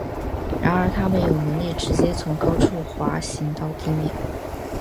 然而它们有能力直接从高处滑行到地面。